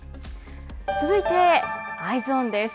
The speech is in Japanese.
続いてＥｙｅｓｏｎです。